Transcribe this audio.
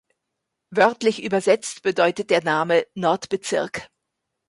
Wörtlich übersetzt bedeutet der Name "Nordbezirk".